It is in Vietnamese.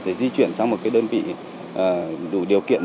để di chuyển sang một đơn vị đủ điều kiện